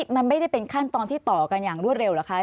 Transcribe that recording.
มันไม่ได้เป็นขั้นตอนที่ต่อกันอย่างรวดเร็วเหรอคะ